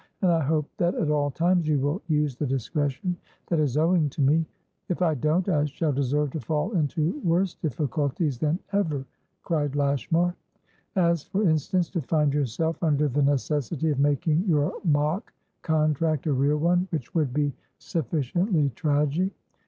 "And I hope that at all times you will use the discretion that is owing to me." "If I don't, I shall deserve to fall into worse difficulties than ever," cried Lashmar. "As, for instance, to find yourself under the necessity of making your mock contract a real onewhich would be sufficiently tragic."